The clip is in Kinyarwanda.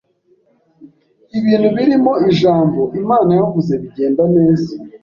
ibintu birimo ijambo Imana yavuze bigenda neza